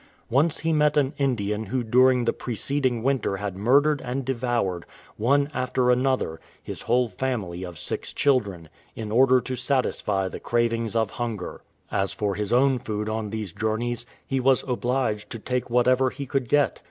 Once he met an Indian who during 190 UNGAVA the preceding winter had murdered and devoured, one after another, his whole family of six children, in order to satisfy the cravings of hunger. As for his own food on these journeys, he was obliged to take whatever he could get.